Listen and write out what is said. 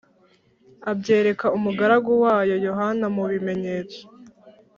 abyereka umugaragu wayo Yohana mu bimenyetso